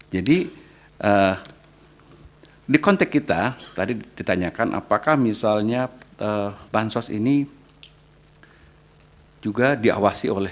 jadi di kontek kita tadi ditanyakan apakah misalnya bansos ini juga diawasi oleh